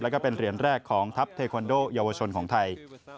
แล้วก็เป็นเหรียญแรกของทัพเทคอนโดเยาวชนของไทย